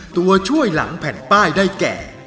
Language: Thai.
ตัวช่วยหลังแผ่นป้ายได้แก่